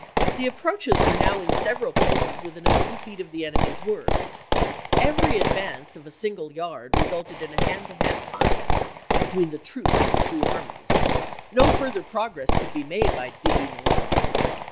The approaches were now in several places within a few feet of the enemy's works; every advance of a single yard resulted in a hand to hand contest between the troops of the two armies. No further progress could be made by digging alone.